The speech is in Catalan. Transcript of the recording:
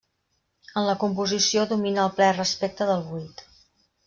En la composició domina el ple respecte del buit.